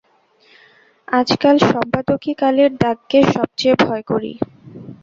আজকাল সম্পাদকী কালির দাগকে সব চেয়ে ভয় করি।